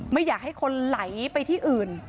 ไม่อยากให้คนไหลไปที่อื่น